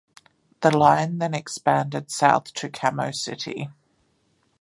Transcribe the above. The line then expanded south to Kamo City.